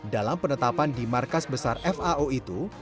dalam penetapan di markas besar fao itu